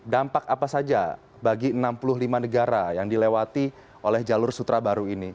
dampak apa saja bagi enam puluh lima negara yang dilewati oleh jalur sutra baru ini